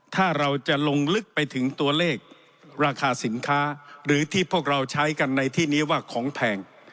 ถ้าเราจะลงลึกไปถึงตัวเลขราคาสินค้าหรือที่พวกเราใช้กันในที่นี้ว่าของแพง